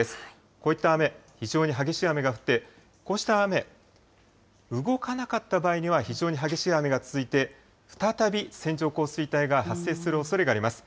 こういった雨、非常に激しい雨が降って、こうした雨、動かなかった場合には非常に激しい雨が続いて、再び線状降水帯が発生するおそれがあります。